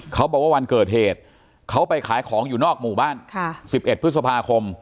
เขาบอกว่าวันเกิดเหตุเขาไปขายของอยู่นอกหมู่บ้าน๑๑พฤษภาคม